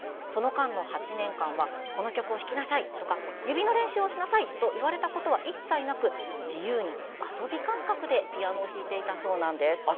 その間の８年間はこの曲を弾きなさいとか指を練習をしなさいと言われたことは一切なく自由に遊び感覚でピアノを弾いていたそうなんです。